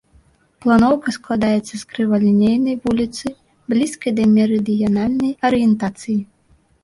Планоўка складаецца з крывалінейнай вуліцы, блізкай да мерыдыянальнай арыентацыі.